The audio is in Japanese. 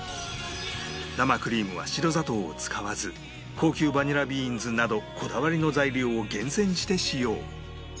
生クリームは白砂糖を使わず高級バニラビーンズなどこだわりの材料を厳選して使用